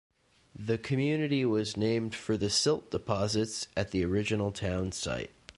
The community was named for the silt deposits at the original town site.